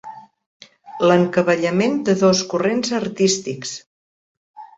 L'encavallament de dos corrents artístics.